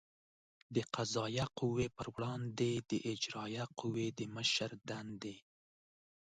د قضایه قوې پر وړاندې د اجرایه قوې د مشر دندې